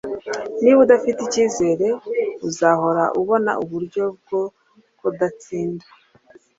Niba udafite ikizere, uzahora ubona uburyo bwo kudatsinda.”